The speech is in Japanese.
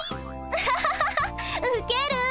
ハハハハハウケる。